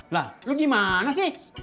lah lu gimana sih